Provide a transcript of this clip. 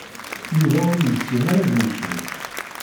Yuba ur yessin ara ad yecnu.